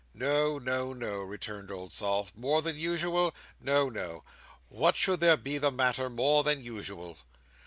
"No, no, no," returned Old Sol. "More than usual? No, no. What should there be the matter more than usual?"